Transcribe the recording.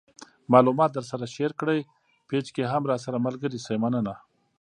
معلومات د درسره شیر کړئ پیج کې هم راسره ملګري شئ مننه